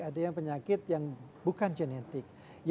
ada yang penyakit yang bukan genetik